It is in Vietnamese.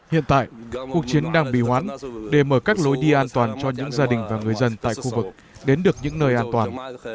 hiện tại cuộc chiến đang bị hoãn để mở các lối đi an toàn cho những gia đình và người dân tại khu vực đến được những nơi an toàn